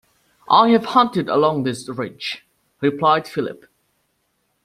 I have hunted along this ridge, replied Philip.